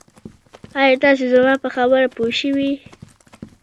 آیا تاسي زما په خبرو پوه شوي